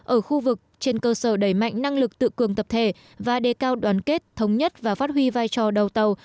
ở khu vực trên cơ sở đẩy mạnh năng lực tự cường tập thể và đề cao đoàn kết thống nhất và phát huy vai trò đầu tàu